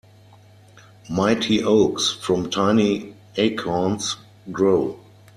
Mighty oaks from tiny acorns grow.